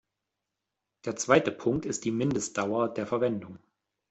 Der zweite Punkt ist die Mindestdauer der Verwendung.